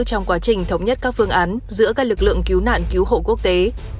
trong quá trình thống nhất các phương án giữa các lực lượng cứu nạn cứu hộ quốc tế